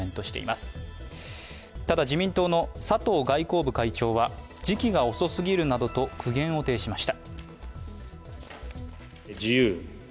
ただ、自民党の佐藤外交部会長は、時期が遅すぎるなどと苦言を呈しました。